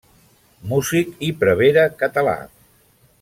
Músic i prevere català.